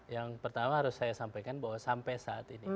yang pertama harus saya sampaikan bahwa sampai saat ini